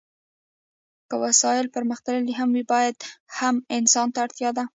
که وسایل پرمختللي هم وي بیا هم انسان ته اړتیا ده.